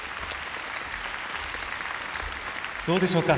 どうでしょうか。